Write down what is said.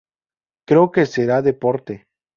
Creo que será deporte".